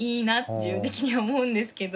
自分的には思うんですけど。